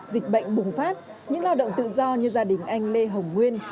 dịch bệnh bùng phát những lao động tự do như gia đình anh lê hồng nguyên